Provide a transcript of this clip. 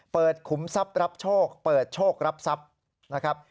ขุมทรัพย์รับโชคเปิดโชครับทรัพย์นะครับ